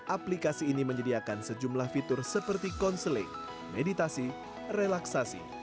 aplikasi ini menyediakan sejumlah fitur seperti konseling meditasi relaksasi